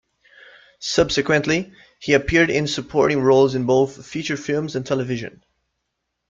Subsequently, he appeared in supporting roles in both feature films and television.